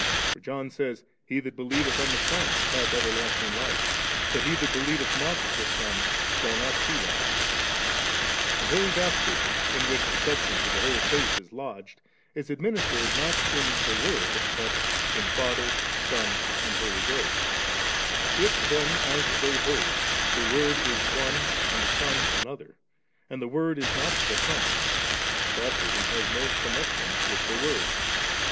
For John says, * He that believeth on the Son, hath everlasting life ; but he that believeth not the Son, shall not see life \' And Holy Baptispo, in which the substance of the whole faith b lodged, is administered not in the Word, but in Father, Son, and Holy Ghost If then, as they hold, the Word is one and the Son another, and the Word is not the Son, Baptism has no connec tion with the Word.